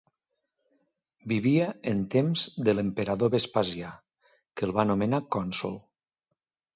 Vivia en temps de l'emperador Vespasià que el va nomenar cònsol.